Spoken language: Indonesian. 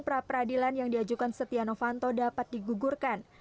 pra peradilan yang diajukan setia novanto dapat digugurkan